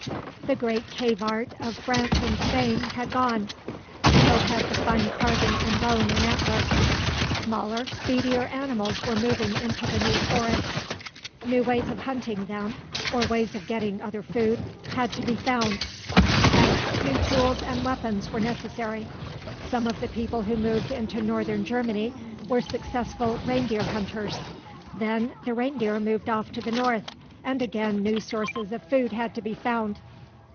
The great cave art of France and Spain had gone; so had the fine carving in bone and antler. Smaller, speedier animals were moving into the new forests. New ways of hunting them, or ways of getting other food, had to be found. Hence, new tools and weapons were necessary. Some of the people who moved into northern Germany were successful reindeer hunters. Then the reindeer moved off to the north, and again new sources of food had to be found.